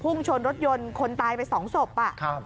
ชนรถยนต์คนตายไปสองศพอ่ะครับ